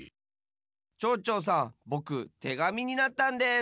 ちょうちょうさんぼくてがみになったんです。